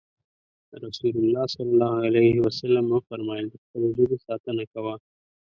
رسول الله ص وفرمايل د خپلې ژبې ساتنه کوه.